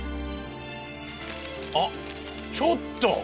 あっちょっと！